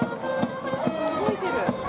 動いてる」